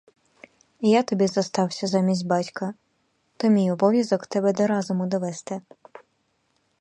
Я тобі зостався замість батька, то мій обов'язок тебе до розуму довести.